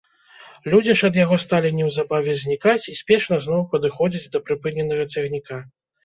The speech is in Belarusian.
Людзі ж ад яго сталі неўзабаве знікаць і спешна зноў падыходзіць да прыпыненага цягніка.